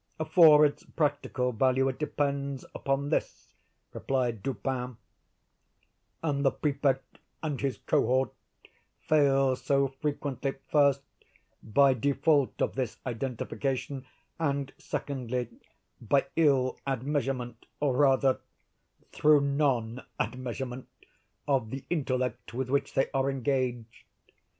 "For its practical value it depends upon this," replied Dupin; "and the Prefect and his cohort fail so frequently, first, by default of this identification, and, secondly, by ill admeasurement, or rather through non admeasurement, of the intellect with which they are engaged.